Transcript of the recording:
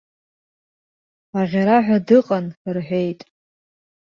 Аӷьараҳәа дыҟан, рҳәеит.